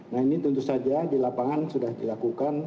nah ini tentu saja di lapangan sudah dilakukan